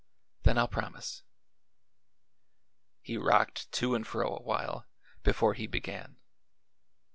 "Then I'll promise." He rocked to and fro a while before he began.